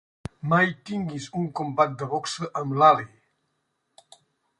Mai tinguis un combat de boxa amb l'Ali!